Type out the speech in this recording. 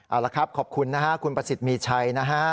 เอาละครับขอบคุณนะฮะคุณประสิทธิ์มีชัยนะฮะ